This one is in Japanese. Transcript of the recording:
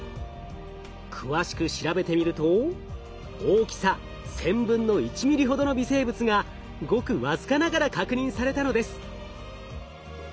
詳しく調べてみると大きさ１，０００分の１ミリほどの微生物がごく僅かながら確認されたのです。